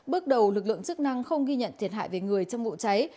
bước đầu lực lượng chức năng không ghi nhận thiệt hại về người trong vụ cháy